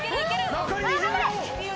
残り２０秒。